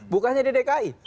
bukannya di dki